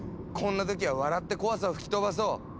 こんな時は笑って怖さを吹き飛ばそう！